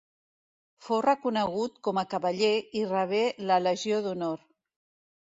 Fou reconegut com a cavaller i rebé la Legió d'Honor.